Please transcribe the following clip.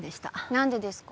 何でですか？